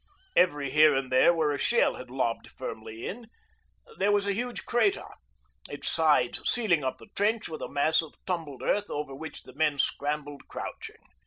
Every here and there where a shell had lobbed fairly in there was a huge crater, its sides sealing up the trench with a mass of tumbled earth over which the men scrambled crouching.